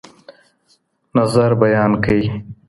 نظر بیان کړئ.